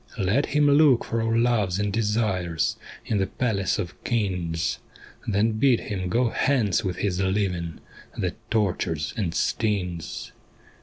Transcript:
' Let him look for our loves and desires In the palace of Kings, Then bid him go hence with his living That tortures and stings.